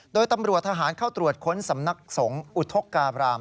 โดยตำรวจทหารเข้าตรวจค้นสำนักสงฆ์อุทธการาม